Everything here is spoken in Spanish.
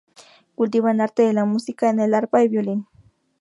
Cultiva en arte de la música en el Arpa y violín.